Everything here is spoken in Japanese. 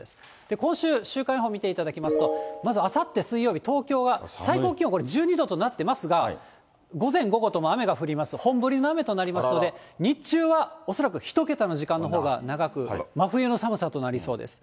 今週、週間予報を見ていただきますと、まずあさって水曜日、東京は最高気温、これ、１２度となっていますが、午前、午後とも雨が降ります、本降りの雨となりますので、日中は恐らく１桁の時間のほうが長く、真冬の寒さとなりそうです。